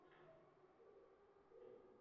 Otam bizni, o`z oilasini tark etdi